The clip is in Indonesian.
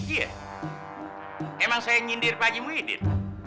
iya emang saya nyindir pak haji muhyiddin